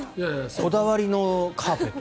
こだわりのカーペット。